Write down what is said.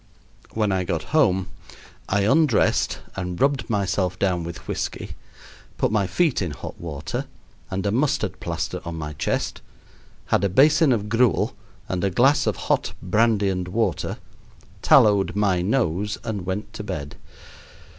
When I got home I undressed and rubbed myself down with whisky, put my feet in hot water and a mustard plaster on my chest, had a basin of gruel and a glass of hot brandy and water, tallowed my nose, and went to bed.